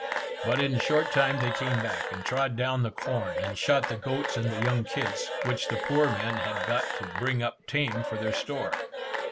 But in a short time they came back, and trod down the corn, and shot the goats and young kids, which the poor men had got to bring up tame for their store.